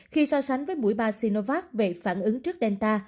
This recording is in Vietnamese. khi so sánh với mũi ba sinovac về phản ứng trước delta